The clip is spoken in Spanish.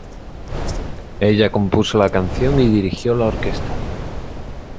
Ella compuso la canción y dirigió la orquesta.